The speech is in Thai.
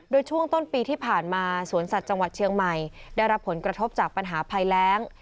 โดยช่วงต้นปีที่ผ่านมาสวนสัตว์จังหวัดเชียงใหม่ได้รับผลกระทบจากปัญหาภัยแรง